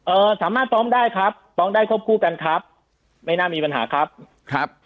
สามารถฟ้องได้ครับฟ้องได้ควบคู่กันครับไม่น่ามีปัญหาครับครับ